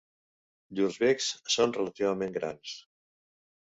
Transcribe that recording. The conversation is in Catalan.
Llurs becs són relativament grans.